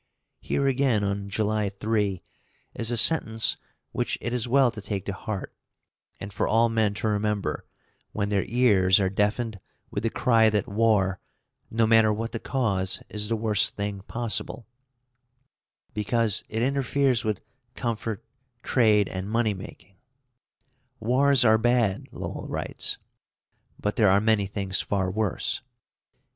Here again, on July 3, is a sentence which it is well to take to heart, and for all men to remember when their ears are deafened with the cry that war, no matter what the cause, is the worst thing possible, because it interferes with comfort, trade, and money making: "Wars are bad," Lowell writes, "but there are many things far worse.